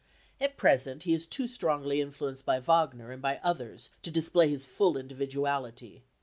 At present he is too strongly influenced by Wagner and by others to display his full individuality.